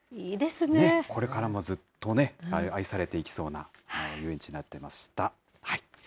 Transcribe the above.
これからもずっとね、愛されていきそうな遊園地になっていました。